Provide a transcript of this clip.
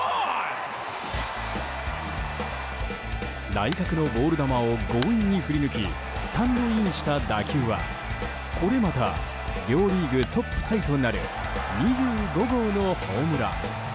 内角のボール球を強引に振り抜きスタンドインした打球はこれまた両リーグトップタイとなる２５号のホームラン。